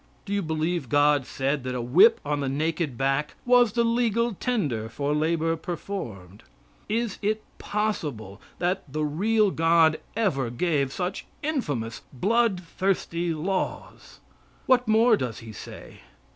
Do you believe God said that a whip on the naked back was the legal tender for labor performed? Is it possible that the real God ever gave such infamous, blood thirsty laws? What more does He say?